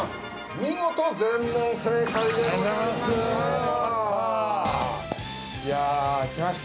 見事全問正解でございました！